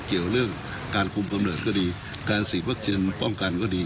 เกี่ยวเรื่องการคุมกำเนิดก็ดีการฉีดวัคซีนป้องกันก็ดี